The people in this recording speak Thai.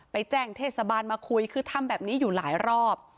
แจ้งเทศบาลมาคุยคือทำแบบนี้อยู่หลายรอบ